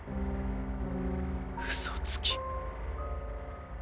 嘘つき。